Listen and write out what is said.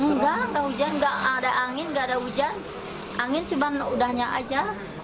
enggak enggak hujan enggak ada angin nggak ada hujan angin cuma udahnya aja